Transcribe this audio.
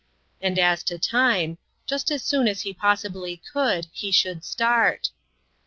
And as to time : just as soon as he possibly could, he should start.